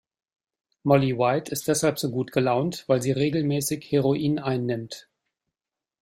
Molly White ist deshalb so gut gelaunt, weil sie regelmäßig Heroin einnimmt.